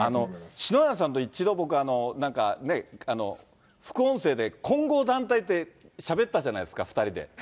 篠原さんと一度、僕、なんかね、副音声で混合団体ってしゃべったじゃないですか、２人で。